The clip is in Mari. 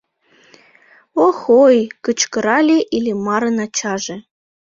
— Ох-ой! — кычкырале Иллимарын ачаже.